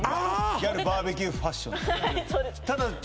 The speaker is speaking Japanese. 「ギャルバーベキューファッション」はいそうです